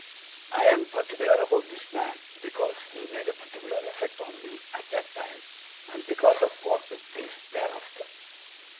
I am particular about this man, because he made a particular effect on me at that time, and because of what took place thereafter.